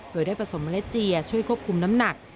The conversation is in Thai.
โดยได้ผสมเมล็ดเจียช่วยควบคุมน้ำหนัก